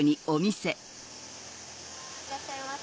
いらっしゃいませ。